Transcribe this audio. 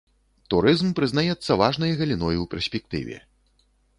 Турызм прызнаецца важнай галіной у перспектыве.